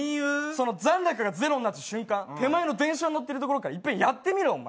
残高が０になった瞬間、手前の電車に乗ってるところから一遍やってみろ、お前。